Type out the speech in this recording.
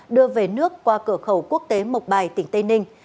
đưa về nước qua cửa khẩu quốc tế mộc bài tỉnh tây ninh